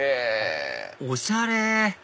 おしゃれ！